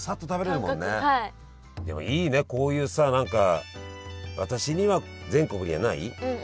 でもいいねこういうさ何か私には全国にはないねえ